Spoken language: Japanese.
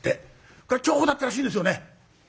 これ重宝だったらしいですよね。